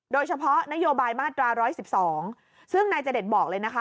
โดยเฉพาะนโยบายมาตรา๑๑๒ซึ่งนายเจดบอกเลยนะคะ